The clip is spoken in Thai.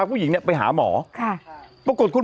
มันก็จับไม่ได้มันก็จับไม่ได้